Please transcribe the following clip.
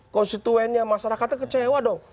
konstituennya masyarakatnya kecewa dong